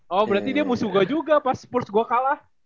oh berarti dia musuh gue juga pas spurs gue kalah